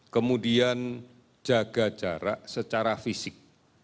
kemudian jaga jarak secara fisik